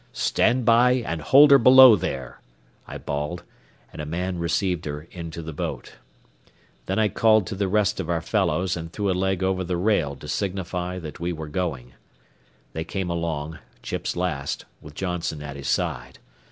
"Stand by and hold her below there," I bawled, and a man received her into the boat. Then I called to the rest of our fellows and threw a leg over the rail to signify that we were going. They came along, Chips last, with Johnson at his side.